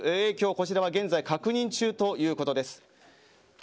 こちらは現在確認中ということです。